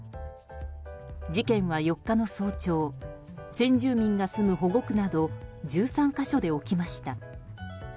事件は４日の早朝先住民が住む保護区など１３か所で起きました。